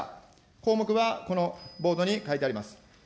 項目はこのボードに書いてあります。